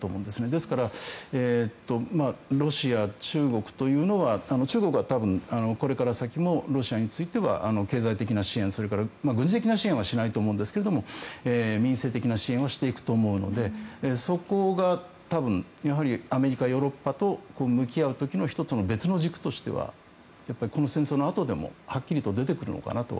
ですからロシア、中国というのは中国は多分、これから先もロシアについては経済的な支援軍事的な支援はしないと思うんですが民生的な支援はしていくと思うのでそこが多分やはりアメリカ、ヨーロッパと向き合う時の１つの別の軸としてはこの戦争のあとでもはっきりと出てくるのかなと。